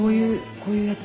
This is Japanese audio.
こういうやつ。